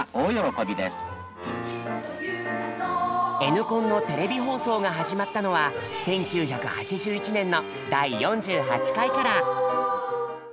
「Ｎコン」のテレビ放送が始まったのは１９８１年の第４８回から。